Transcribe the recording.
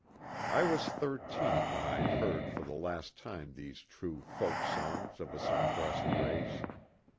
I was thirteen when I heard for the last time these true "folk songs " of a suppressed race.